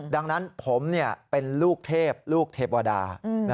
ดังนั้นผมเป็นลูกเทพลูกเทวดา